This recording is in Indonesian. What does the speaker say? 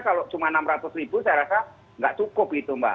kalau cuma rp enam ratus saya rasa nggak cukup itu mbak